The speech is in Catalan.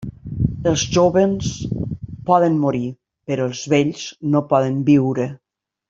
Els jóvens poden morir, però els vells no poden viure.